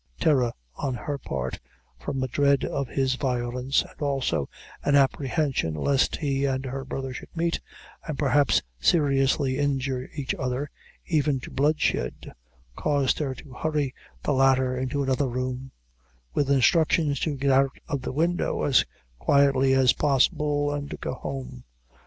Terror, on her part, from a dread of his violence, and also an apprehension lest he and her brother should meet, and, perhaps, seriously injure each other, even to bloodshed, caused her to hurry the latter into another room, with instructions to get out of the window as quietly as possible, and to go home.